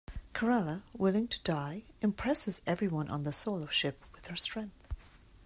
Karala willing to die impresses everyone on the Solo Ship with her strength.